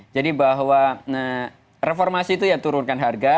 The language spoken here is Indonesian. jadi bahwa reformasi itu ya turunkan harga